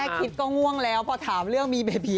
คิดก็ง่วงแล้วพอถามเรื่องมีเบบี